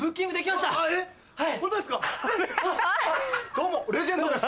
どうもレジェンドです。